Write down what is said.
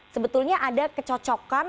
sebetulnya ada kecocokan